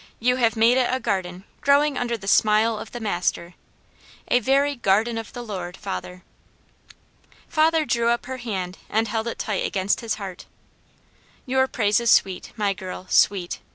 "You have made it a garden growing under the smile of the Master; a very garden of the Lord, father." Father drew up her hand and held it tight against his heart. "Your praise is sweet, my girl, sweet!"